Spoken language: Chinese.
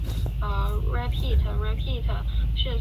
自由民主党籍。